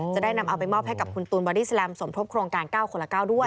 จะได้นำเอาไปมอบให้กับคุณตูนบอดี้แลมสมทบโครงการ๙คนละ๙ด้วย